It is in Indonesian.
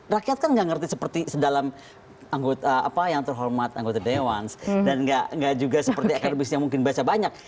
rakyat kan nggak ngerti seperti sedalam yang terhormat anggota dewans dan nggak juga seperti akademis yang mungkin baca banyak